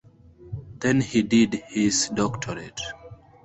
Then he did his doctorate.